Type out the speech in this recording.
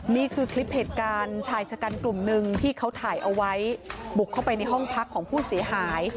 นี่คือคลิปเหตุการณ์ชายชะกันกลุ่มหนึ่งที่เขาถ่ายเอาไว้บุกเข้าไปในห้องพักของผู้เสียหาย